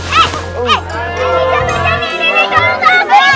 saya bukan copet